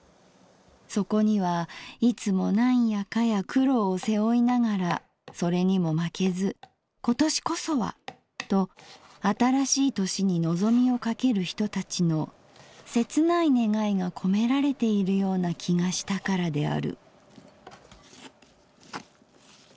そこにはいつも何やかや苦労を背負いながらそれにも負けず今年こそはと新しい年にのぞみをかける人たちの切ない願いがこめられているような気がしたからである」。